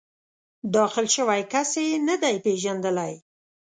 داخل شوی کس یې نه دی پېژندلی.